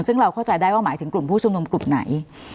ซึ่งเราเข้าใจได้ว่าหมายถึงกลุ่มผู้ชุมนุมกลุ่มไหน